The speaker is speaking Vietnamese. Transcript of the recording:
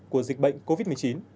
của dịch bệnh covid một mươi chín